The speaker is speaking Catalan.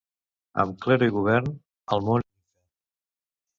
Amb clero i govern, el món és un infern.